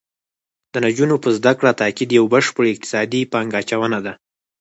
د نجونو په زده کړه تاکید یو بشپړ اقتصادي پانګه اچونه ده